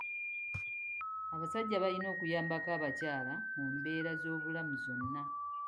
Abasajja balina okuyambako abakyala mu mbeera z'obulamu zonna.